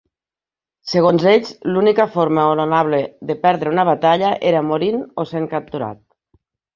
Segons ells, l'única forma honorable de perdre una batalla era morint o sent capturat.